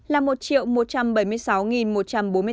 là một một trăm bảy mươi sáu một trăm bốn mươi tám